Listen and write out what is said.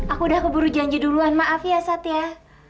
aku udah keburu janji duluan maaf ya sat ya